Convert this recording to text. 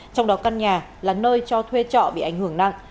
trong đó căn nhà là nơi cho thuê trọ bị ảnh hưởng nặng